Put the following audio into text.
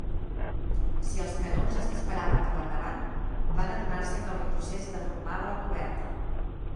Si els canons es disparaven cap endavant, van adonar-se que el retrocés deformava la coberta.